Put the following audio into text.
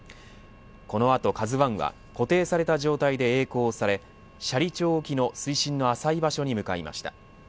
この後ＫＡＺＵ１は固定された状態でえい航され斜里町沖の水深の浅い場所に向かいました。